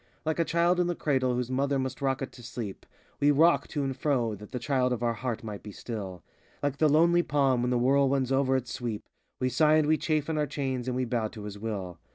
Like a child in the cradle whose mother must rock it to sleep, We rock to and fro that the child of our heart might be still; Like the lonely palm, when the whirlwinds over it sweep, We sigh and vvc chafe in our chains, and we bow to his will.